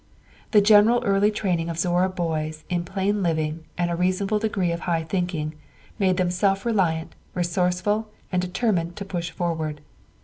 "The general early training of Zorra boys in plain living, and a reasonable degree of high thinking, made them self reliant, resourceful, and determined to push forward.